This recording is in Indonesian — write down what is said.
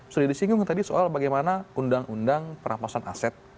sudah disinggung tadi soal bagaimana undang undang perampasan aset